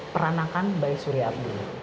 peranakan by surya abduh